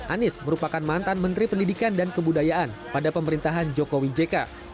anies merupakan mantan menteri pendidikan dan kebudayaan pada pemerintahan jokowi jk